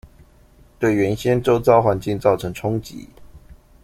對原先週遭環境造成衝擊